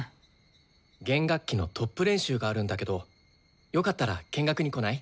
弦楽器のトップ練習があるんだけどよかったら見学に来ない？